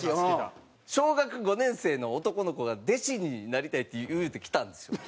小学５年生の男の子が「弟子になりたい」って言うて来たんですよ。